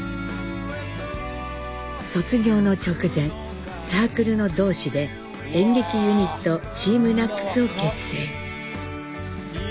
卒業の直前サークルの同士で演劇ユニットＴＥＡＭＮＡＣＳを結成。